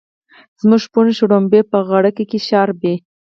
زموږ شپون شړومبی په غړکه کې شاربي.